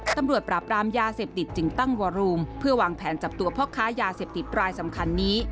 ตำรวจปราบรามยาเสพติดจึงตั้งวอรูมเพื่อวางแผนจับตัวพ่อค้ายาเสพติดรายสำคัญนี้